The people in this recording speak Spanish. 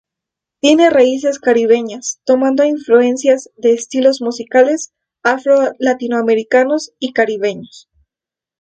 Tiene raíces caribeñas, tomando influencias de estilos musicales afro-latinoamericanos y caribeños.